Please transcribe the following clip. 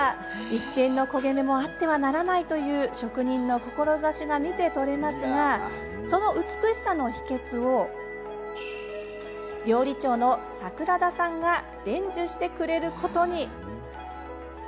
一点の焦げ目もあってはならないという職人の志が見て取れますがその美しさの秘けつを料理長の桜田さんが伝授してくれることに。